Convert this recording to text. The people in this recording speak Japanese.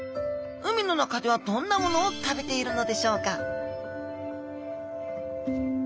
海の中ではどんなものを食べているのでしょうか？